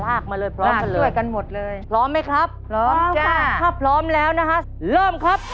ลากมาเลยพร้อมกันเลยพร้อมไหมครับพร้อมค่ะพร้อมแล้วนะคะเริ่มครับ